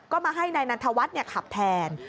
ก็มาให้นายนันทวัฒน์ขับแทน